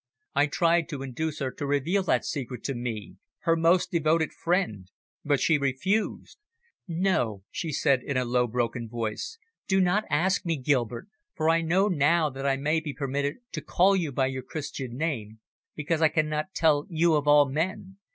I tried to induce her to reveal that secret to me, her most devoted friend, but she refused. "No," she said in a low, broken voice, "do not ask me, Gilbert for I know now that I may be permitted to call you by your Christian name because I cannot tell you of all men.